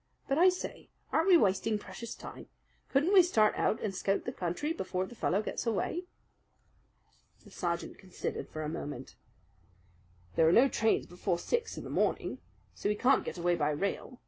"But, I say, aren't we wasting precious time? Couldn't we start out and scout the country before the fellow gets away?" The sergeant considered for a moment. "There are no trains before six in the morning; so he can't get away by rail.